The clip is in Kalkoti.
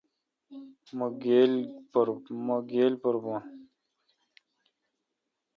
مہ گیل پر بھون۔